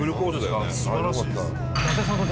素晴らしいです。